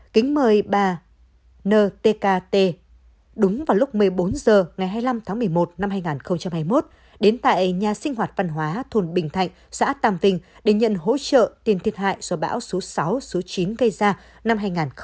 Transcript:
giấy mời của ủy ban dân xã tàm vinh có nội dung kính mời bà ntkt đúng vào lúc một mươi bốn h ngày hai mươi năm tháng một mươi một năm hai nghìn hai mươi một đến tại nhà sinh hoạt văn hóa thôn bình thạnh xã tàm vinh để nhận hỗ trợ tiền thiệt hại do bão số sáu số chín gây ra năm hai nghìn hai mươi